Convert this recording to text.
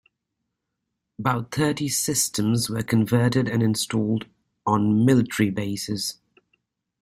About thirty systems were converted and installed on military bases.